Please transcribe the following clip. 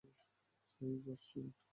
হেই, Josslyn.